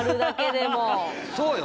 そうよ。